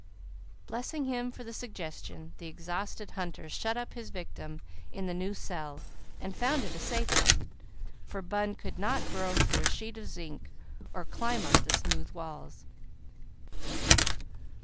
Blessing him for the suggestion, the exhausted hunter shut up his victim in the new cell, and found it a safe one, for Bun could not burrow through a sheet of zinc, or climb up the smooth walls.